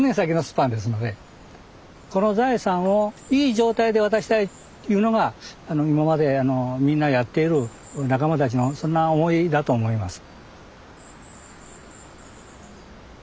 この財産をいい状態で渡したいというのが今までみんなやっている仲間たちのそんな思いだと思います。